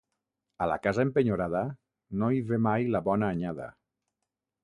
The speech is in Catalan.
A la casa empenyorada, no hi ve mai la bona anyada.